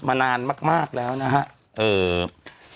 มานานมากแล้วนะครับ